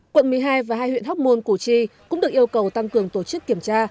quận một mươi hai và hai huyện hóc môn củ chi cũng được yêu cầu tăng cường tổ chức kiểm tra